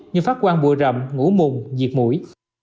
như phát quan bùa rầm ngủ mùng diệt mũi